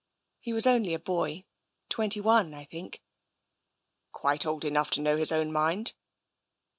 He was only a boy — twenty one, I think.'* " Quite old enough to know his own mind.